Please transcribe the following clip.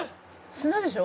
砂でしょ？」